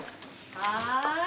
はい？